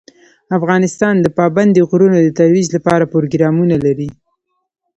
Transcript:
افغانستان د پابندي غرونو د ترویج لپاره پروګرامونه لري.